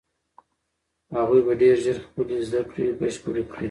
هغوی به ډېر ژر خپلې زده کړې بشپړې کړي.